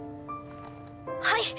はい。